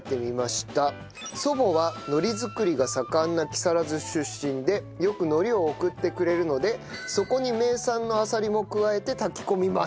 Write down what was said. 祖母は海苔作りが盛んな木更津出身でよく海苔を送ってくれるのでそこに名産のあさりも加えて炊き込みました。